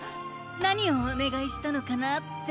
なにをおねがいしたのかなって。